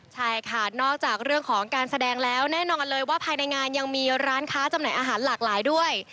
ใช่ค่ะนอกจากเรื่องของการแสดงแล้วแน่นอนเลยว่าภายในงานยังมีร้านค้าจำหน่ายอาหารหลากหลายด้วย